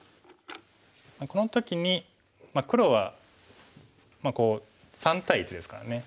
この時に黒は３対１ですからね